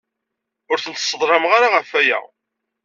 Ur ten-sseḍlameɣ ara ɣef waya.